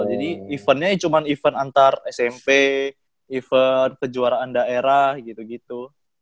jadi eventnya cuma event antar smp event kejuaraan daerah gitu gitu